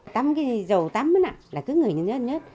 tắm cái dầu tắm đó nè là cứ ngửi như nhất nhất